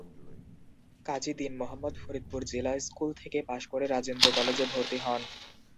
কাজী দীন মোহাম্মদ ফরিদপুর জেলা স্কুল থেকে পাস করে রাজেন্দ্র কলেজে ভর্তি হন।